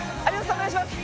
お願いします